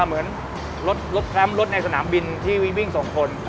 เหมือนรถแคมป์รถในสนามบินที่วิ่งสองคน